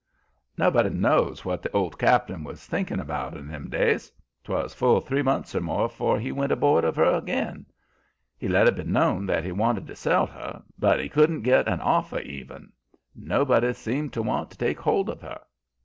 "Nobody knows what the old cap'n was thinkin' about in them days. 'Twas full three month or more 'fore he went aboard of her ag'in. He let it be known about that he wanted to sell her, but he couldn't git an offer even; nobody seemed to want to take hold of her.